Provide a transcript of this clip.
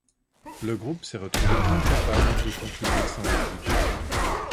Le groupe s'est retrouvé incapable de continuer sans Ricky.